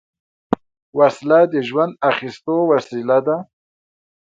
وسله د ژوند اخیستو وسیله ده